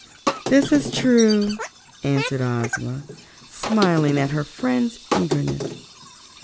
"That is true," answered Ozma, smiling at her friend's eagerness.